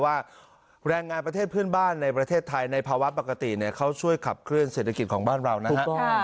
ว่าแรงงานประเทศเพื่อนบ้านในประเทศไทยในภาวะปกติเขาช่วยขับเคลื่อเศรษฐกิจของบ้านเรานะฮะ